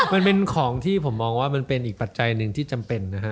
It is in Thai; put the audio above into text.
มันเป็นของที่ผมมองว่ามันเป็นอีกปัจจัยหนึ่งที่จำเป็นนะฮะ